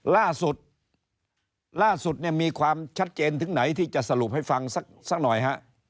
ล่าสุดล่าสุดเนี่ยมีความชัดเจนถึงไหนที่จะสรุปให้ฟังสักหน่อยฮะ